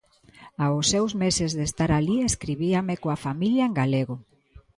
Aos seus meses de estar alí escribíame coa familia en galego.